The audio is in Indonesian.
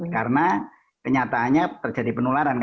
karena kenyataannya terjadi penularan